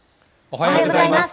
おはようございます。